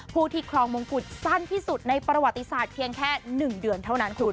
ผู้ที่ครองมงกุฎสั้นที่สุดในประวัติศาสตร์เพียงแค่๑เดือนเท่านั้นคุณ